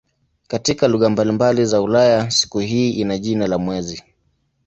Katika lugha mbalimbali za Ulaya siku hii ina jina la "mwezi".